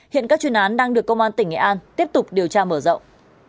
hiện các chuyên án đang được công an tỉnh nghệ an tiếp tục điều tra mở rộng